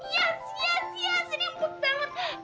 yes yes yes ini empuk banget